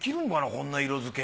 こんな色付け。